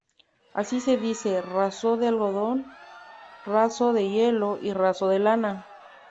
Así se dice "raso de algodón", "raso de hilo" o "raso de lana".